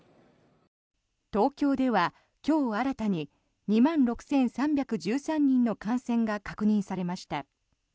東京では今日新たに２万６３１３人の感染が確認されました。